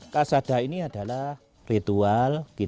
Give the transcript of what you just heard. kasada ini adalah ritual